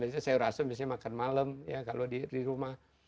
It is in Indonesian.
biasanya sayur asum biasanya makan malam ya kalau di rumah